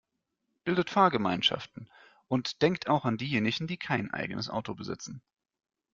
Bildet Fahrgemeinschaften und denkt auch an diejenigen, die kein eigenes Auto besitzen.